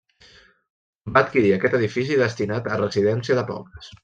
Va adquirir aquest edifici destinat a residència de pobres.